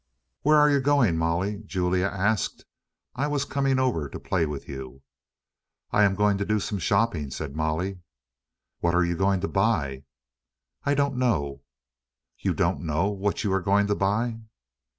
"Where are you going, Molly?" Julia asked. "I was coming over to play with you." "I am going to do some shopping," said Molly. "What are you going to buy?" "I don't know." "You don't know what you are going to buy?"